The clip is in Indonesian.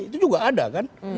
itu juga ada kan